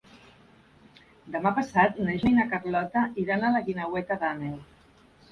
Demà passat na Gina i na Carlota iran a la Guingueta d'Àneu.